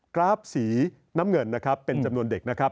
กราฟสีน้ำเงินนะครับเป็นจำนวนเด็กนะครับ